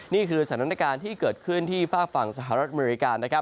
นี่คือสถานการณ์ที่เกิดขึ้นที่ฝากฝั่งสหรัฐอเมริกานะครับ